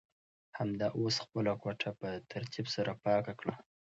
همدا اوس خپله کوټه په ترتیب سره پاکه کړه.